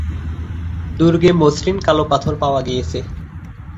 দুর্গে মসৃণ কালো পাথর পাওয়া গিয়েছে।